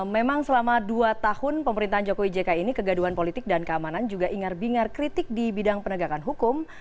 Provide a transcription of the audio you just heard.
memang selama dua tahun pemerintahan jokowi jk ini kegaduan politik dan keamanan juga ingar bingar kritik di bidang penegakan hukum